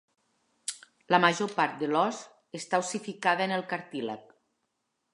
La major part de l"ós està ossificada en el cartílag.